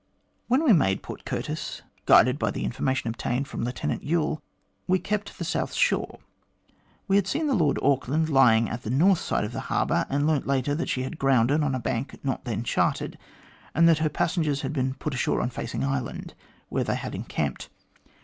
" When we made Port Curtis, guided by the information obtained from Lieutenant Youl, we kept the south shore. We had seen the Lord Auckland lying at the north side of the harbour, and learnt later that she had grounded on a bank not then charted, and that her passengers had been put ashore on Facing Island,, where they had encamped.